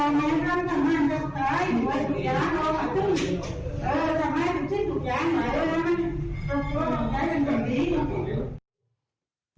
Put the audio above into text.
เนี้ยแม่สมจิต